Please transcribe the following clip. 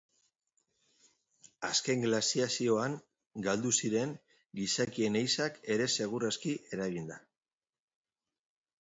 Azken glaziazioan galdu ziren, gizakien ehizak ere segur aski eraginda.